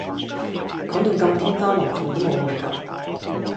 講到咁天花龍鳳都無用架